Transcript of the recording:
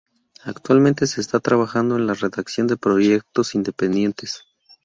Actualmente se está trabajando en la redacción de proyectos independientes.